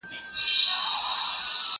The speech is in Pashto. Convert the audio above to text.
ډېر پخوا سره ټول سوي ډېر مرغان وه!!